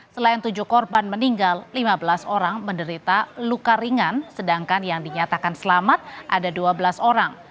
selain tujuh korban meninggal lima belas orang menderita luka ringan sedangkan yang dinyatakan selamat ada dua belas orang